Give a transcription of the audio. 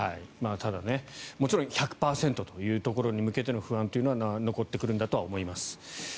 ただ、もちろん１００％に向けてというところの不安というのは残ってくるんだろうと思います。